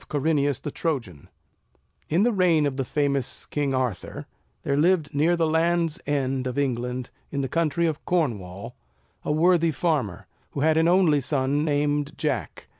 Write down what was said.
CHAPTER XVIII JACK THE GIANT KILLER In the reign of the famous King Arthur, there lived near the Land's End of England, in the county of Cornwall, a worthy farmer, who had an only son named Jack.